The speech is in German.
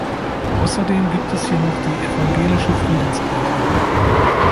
Außerdem gibt es hier noch die evangelische Friedenskirche.